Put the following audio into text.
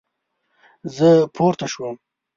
زه پورته شوم